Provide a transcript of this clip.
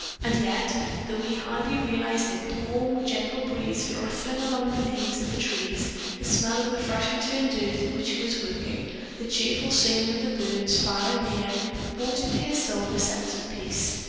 And yet, though he hardly realized it, the warm, gentle breeze rustling among the leaves of the trees, the smell of the freshly turned earth in which he was working, the cheerful singing of the birds far and near brought into his soul a sense of peace.